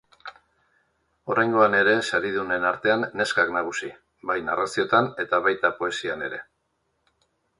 Oraingoan ere saridunen artean neskak nagusi, bai narrazioetan eta baita poesian ere.